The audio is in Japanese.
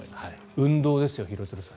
運動ですよ、廣津留さん